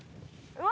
うわ！